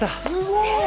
すごい！